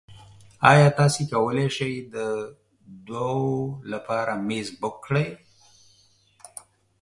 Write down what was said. ایا تاسو کولی شئ د دوو لپاره میز بک کړئ؟